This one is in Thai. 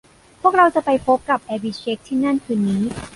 พวกเราจะไปพบกับแอบิเช็คที่นั่นคืนนี้